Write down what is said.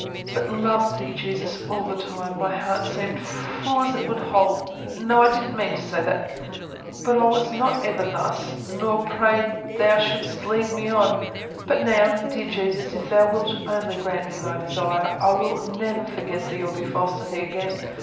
But loved Thee, Jesus, all the time, my heart seemed full as it would hold ... no, I didn't mean to say that. But I was not ever thus, nor prayed that Thou shouldst lead me on. But now, dear Jesus, if Thou wilt only grant me my desire, I will never forget Thee or be false to Thee again.